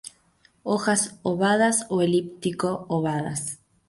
Hojas ovadas o elíptico-ovadas.